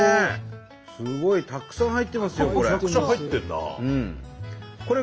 すごいたくさん入ってますよこれ。